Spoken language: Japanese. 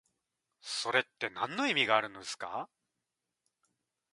それってなんの意味があるのですか？